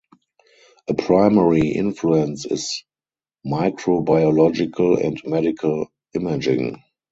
A primary influence is microbiological and medical imaging.